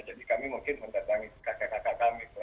jadi kami mungkin mendatangi kakak kakak kami